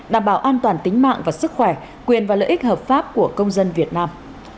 đảm bảo an toàn tính mạng và sức khỏe quyền và lợi ích hợp pháp của công dân việt nam